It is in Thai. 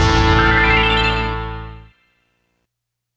คือไอ้เจ้าที่สุด